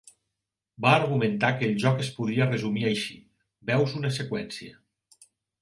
Va argumentar que el joc es podria resumir així: "Veus una seqüència.